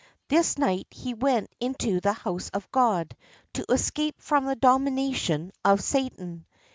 This night he went into the House of God to escape from the dominion of Satan.